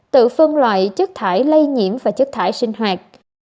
tự phân loại chất thải lây nhiễm và chất thải sinh hoạt